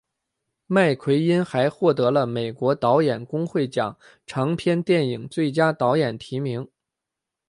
麦奎因还获得了美国导演工会奖长片电影最佳导演提名。